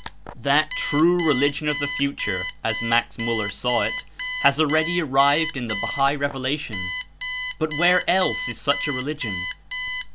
That "true religion of the future," as Max Mul ler saw It, has already arrived in the Bahai Revela tion; but where else is such a religion?